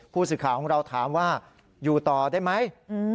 ผู้สื่อข่าวของเราถามว่าอยู่ต่อได้ไหม